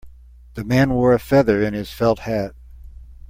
The man wore a feather in his felt hat.